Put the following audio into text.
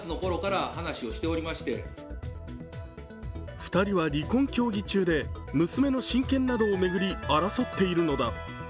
２人は離婚協議中で娘の親権などを巡り争っているのだ。